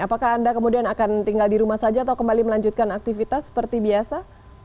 apakah anda kemudian akan tinggal di rumah saja atau kembali melanjutkan aktivitas seperti biasa